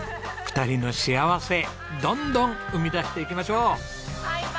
２人の幸せどんどん生み出していきましょう。